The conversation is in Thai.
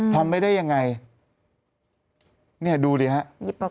ทำได้ได้ยังไงเนี่ยดูเลยครับ